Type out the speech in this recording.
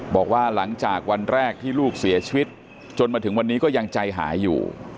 บอกว่าหลังจากวันแรกที่ลูกเสียชีวิตจนมาถึงวันนี้ก็ยังใจหายอยู่